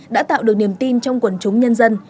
đã tạo được niềm tin trong quần chúng nhân dân